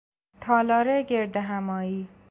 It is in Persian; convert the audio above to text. تالار گردهمایی